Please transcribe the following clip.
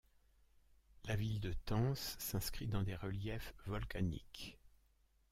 La ville de Tence s'inscrit dans des reliefs volcaniques.